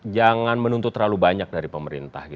jangan menuntut terlalu banyak dari pemerintah